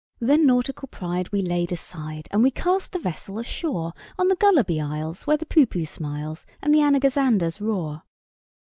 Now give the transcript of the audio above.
Then nautical pride we laid aside, And we cast the vessel ashore On the Gulliby Isles, where the Poohpooh smiles, And the Anagazanders roar.